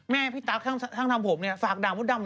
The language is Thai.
แม่พี่ตั๊กทั้งทำผมเนี่ยฝากด่ามดดำ